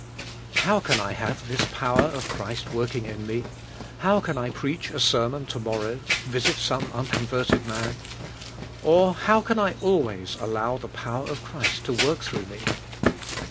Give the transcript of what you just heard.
How can I have this power of Christ working in me? How can I preach a sermon to morrow, visit some uncon verted man? Or, how can I always allow the power of Christ to work through me?